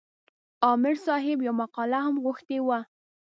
عامر صاحب یوه مقاله هم غوښتې وه.